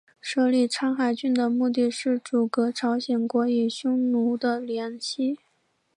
设立苍海郡的目的是阻隔朝鲜国与匈奴的联系。